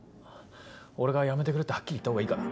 俺が「やめてくれ」ってはっきり言ったほうがいいかな？